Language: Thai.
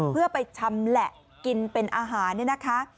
เพื่อไปชำแหละกินเป็นอาหารเนี่ยนะคะ